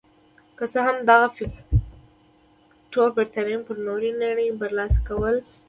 که څه هم دغه فکټور برېتانیا پر نورې نړۍ برلاسې کوله.